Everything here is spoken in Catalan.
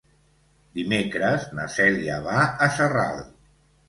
Dimecres na Cèlia va a Sarral.